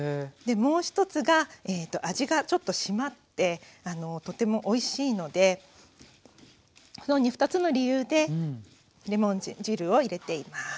もう一つが味がちょっとしまってとてもおいしいのでこのように２つの理由でレモン汁を入れています。